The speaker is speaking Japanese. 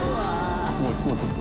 もうちょっと。